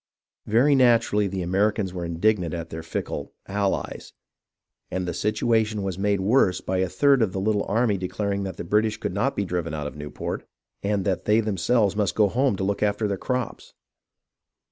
Very naturally the Americans were indignant at their fickle "allies," and the situation was made worse by a third of the little army declaring that the British could not be driven out of Newport, and that they themselves must go home to look after their crops